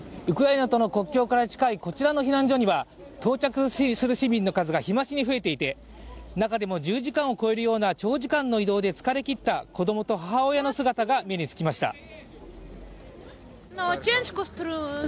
ウクライナとの国境から近いこちらの避難所には到着する市民の数が日増しに増えていて、中でも１０時間を超えるような長時間の移動で疲れ切った子供と母親の姿が目につきました。